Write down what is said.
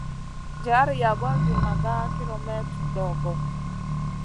Jar yagoua zi maga kilemètre dogo.